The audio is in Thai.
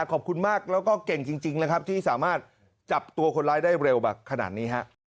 ขอบคุณมากแล้วก็เก่งจริงนะครับที่สามารถจับตัวคนร้ายได้เร็วแบบขนาดนี้ฮะ